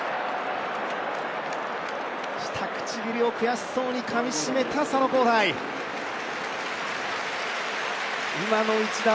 下唇を悔しそうにかみしめた佐野皓大。